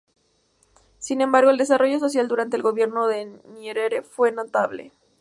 Sin embargo, el desarrollo social durante el gobierno de Nyerere fue notable.